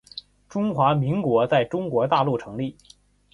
中华民国在中国大陆成立